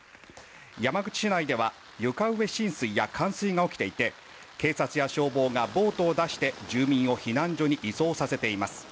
山口市内では床上浸水や冠水が起きていて警察や消防がボートを出して住民を避難所に移送させています。